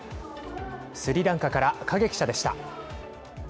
スリランカから影記者でした。